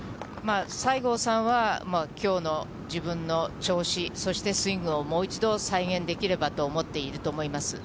西郷さんは、きょうの自分の調子、そしてスイングをもう一度、再現できればと思っていると思います。